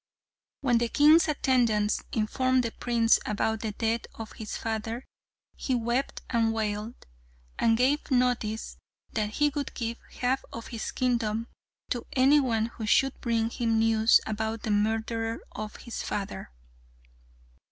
When the king's attendants informed the prince about the death of his father he wept and wailed, and gave notice that he would give half of his kingdom to any one who should bring him news about the murderer of his father.